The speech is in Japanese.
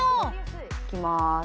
いきまーす。